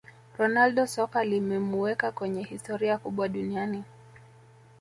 ronaldo soka limemuweka kwenye historia kubwa duniani